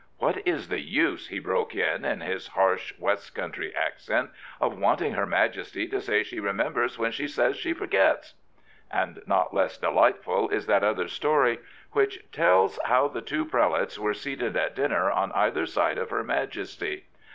What is the use," he broke in, in his harsh West Country accent, " of wanting her Majesty to say she remembers when she says she forgets? " And not less delightful is that other story which tells how the two prelates were seated at dinner on either side of her Majesty.